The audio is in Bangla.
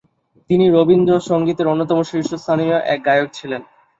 তিনি রবীন্দ্রসঙ্গীতের অন্যতম শীর্ষস্থানীয় এক গায়ক ছিলেন।